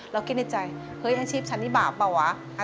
เราคิดในใจเฮ้ยอาชีพฉันนี่บาปเปล่าวะ